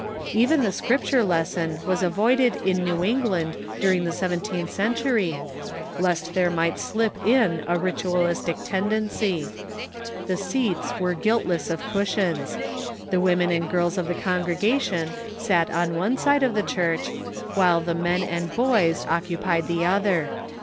Even the Scripture lesson was avoided in New England during the seventeenth century, lest there might slip in a ritualistic ten dency. The seats were guiltless of cushions. The women and o irls of the congregation sat on one side of the church, while the men and boys occupied the other.